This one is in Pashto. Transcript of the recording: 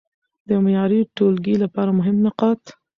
د معياري ټولګي لپاره مهم نقاط: